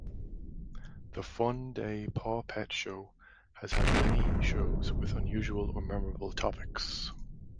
The Funday PawPet Show has had many shows with unusual or memorable topics.